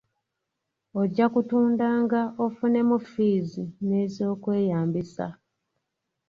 Ojja kutundanga ofunemu ffiizi n'ez'okweyambisa.